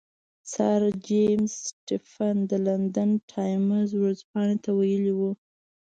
سر جیمز سټیفن د لندن ټایمز ورځپاڼې ته ویلي وو.